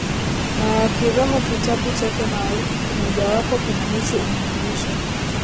na ya Kiroho Kitabu chake maarufu kimojawapo kinahusu umwilisho